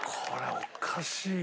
おかしいよ！